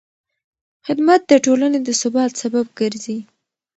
خدمت د ټولنې د ثبات سبب ګرځي.